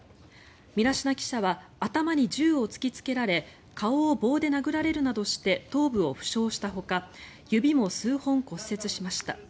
ミラシナ記者は頭に銃を突きつけられ顔を棒で殴られるなどして頭部を負傷したほか指も数本骨折しました。